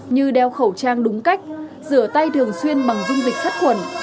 như đeo khẩu trang đúng cách rửa tay thường xuyên bằng dung dịch sát khuẩn